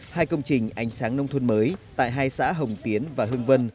hai công trình ánh sáng nông thôn mới tại hai xã hồng tiến và hưng vân